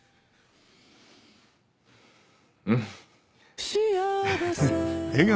うん。